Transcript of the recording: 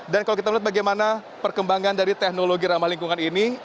dan kalau kita lihat bagaimana perkembangan dari teknologi ramah lingkungan ini